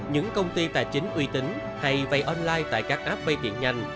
những công ty tài chính uy tín hay vay online tại các app vay tiền nhanh